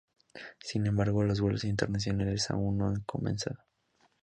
Sin embargo, los vuelos internacionales aún no han comenzado.